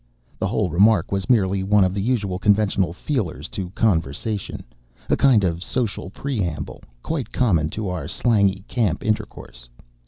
The whole remark was merely one of the usual conventional feelers to conversation, a kind of social preamble, quite common to our slangy camp intercourse.